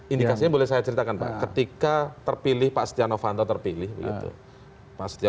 indikasinya boleh saya ceritakan pak ketika terpilih pak setia novanto terpilih begitu pak setio